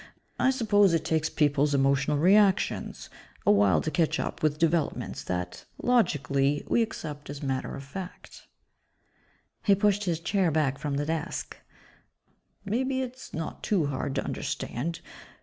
I suppose it takes people's emotional reactions a while to catch up with developments that, logically, we accept as matter of fact." He pushed his chair back from the desk, "Maybe it's not too hard to understand.